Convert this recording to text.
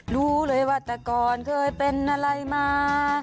รู้เลยว่าแต่ก่อนเคยเป็นอะไรมา